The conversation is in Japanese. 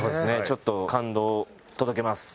ちょっと感動を届けます。